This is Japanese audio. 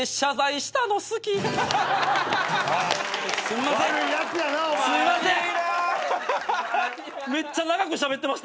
すいません。